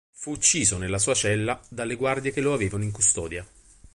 Fu ucciso nella sua cella dalle guardie che lo avevano in custodia.